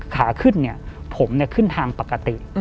ขาขึ้นเนี่ยผมขึ้นทางปกติ